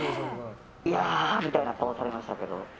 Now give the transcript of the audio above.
いやみたいな顔をされましたけど。